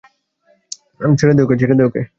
ছেড়ে দে ওকে।